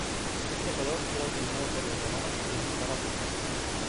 Este color era utilizado por los romanos e indicaba poder.